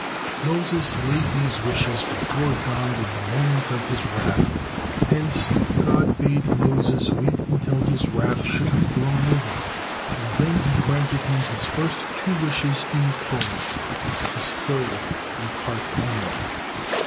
Moses laid these wishes before God in the moment of His wrath, hence God bade Moses wait until His wrath should have blown over, and then He granted him his first two wishes in full, but his third in part only.